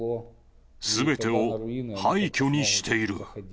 すべてを廃虚にしている。